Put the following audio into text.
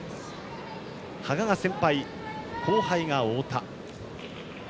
羽賀が先輩、後輩が太田。